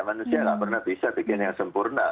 manusia gak pernah bisa bikin yang sempurna